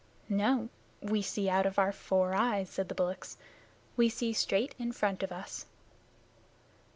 "No. We see out of our four eyes," said the bullocks. "We see straight in front of us."